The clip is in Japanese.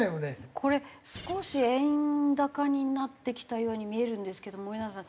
これ少し円高になってきたように見えるんですけど森永さん